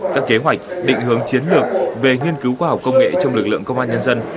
các kế hoạch định hướng chiến lược về nghiên cứu khoa học công nghệ trong lực lượng công an nhân dân